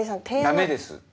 ダメです。